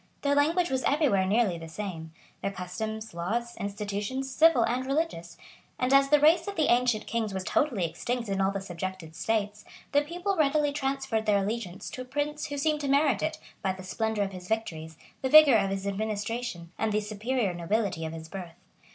Their language was every where nearly the same, their customs, laws, institutions, civil and religious; and as the race of the ancient kings was totally extinct in all the subjected states, the people readily transferred their allegiance to a prince who seemed to merit it by the splendor of his victories, the vigor of hia administration, and the superior nobility of his birth.